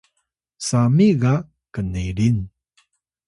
sami ga knerin